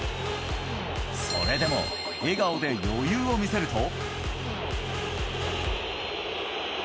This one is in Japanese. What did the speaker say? それでも、笑顔で余裕を見せると。